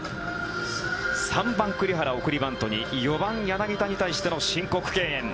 ３番、栗原、送りバントに４番、柳田に対しての申告敬遠。